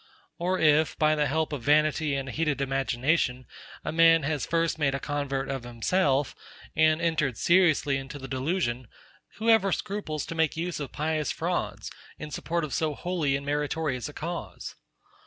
Or if, by the help of vanity and a heated imagination, a man has first made a convert of himself, and entered seriously into the delusion; who ever scruples to make use of pious frauds, in support of so holy and meritorious a cause?